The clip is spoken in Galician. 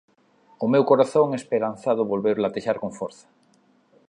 O meu corazón esperanzado volveu latexar con forza.